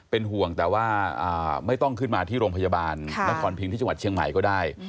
เป็นห่วงแต่ว่าไม่ต้องขึ้นมาที่โรงพยาบาลนครพิงที่จังหวัดเชียงใหม่ก็ได้